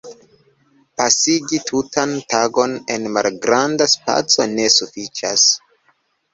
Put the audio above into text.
Pasigi tutan tagon en malgranda spaco ne sufiĉas.